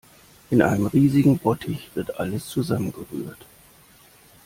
In einem riesigen Bottich wird alles zusammengerührt.